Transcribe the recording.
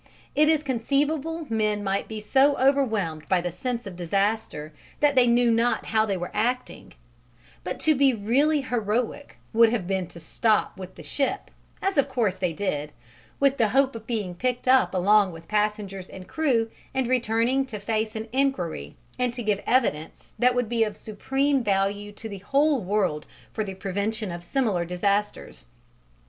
It is conceivable men might be so overwhelmed by the sense of disaster that they knew not how they were acting; but to be really heroic would have been to stop with the ship as of course they did with the hope of being picked up along with passengers and crew and returning to face an enquiry and to give evidence that would be of supreme value to the whole world for the prevention of similar disasters.